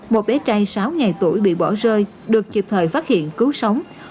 một bé trai sáu ngày tuổi bị bỏ rơi được kịp thời phát hiện cứu sống